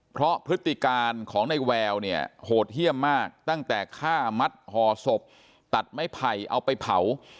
เพราะพฤติการของในแววเนี่ยโหดเยี่ยมมากตั้งแต่ฆ่ามัดห่อศพตัดไม้ไผ่เอาไปเผา